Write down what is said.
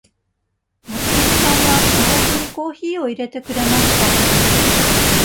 松井さんはわたしにコーヒーを入れてくれました。